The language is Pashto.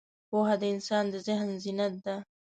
پوهه د انسان د ذهن زینت ده.